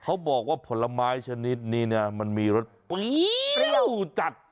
บอกว่าผลไม้ชนิดนี้นะมันมีรสเปรี้ยวจัด